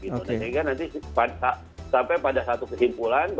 sehingga nanti sampai pada satu kesimpulan